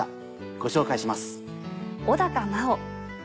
ご紹介します。